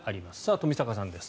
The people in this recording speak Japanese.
冨坂さんです。